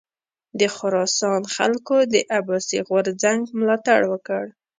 د خراسان خلکو د عباسي غورځنګ ملاتړ وکړ.